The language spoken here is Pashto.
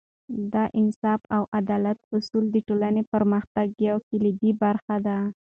د انصاف او عدالت اصول د ټولنې پرمختګ یوه کلیدي برخه ده.